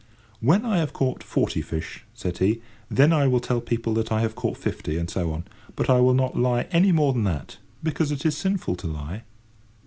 "When I have caught forty fish," said he, "then I will tell people that I have caught fifty, and so on. But I will not lie any more than that, because it is sinful to lie."